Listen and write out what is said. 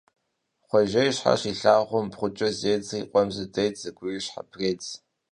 Хъуэжэ и щхьэр щилъагъум, бгъукӀэ зедзри къуэм зыдедзэ, гури щхьэпредз.